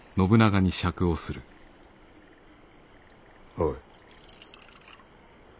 おい。